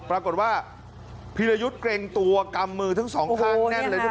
ปรากฏว่าพีรยุทธ์เกรงตัวกำมือทั้งสองข้างแน่นเลยนะ